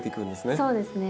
そうですね。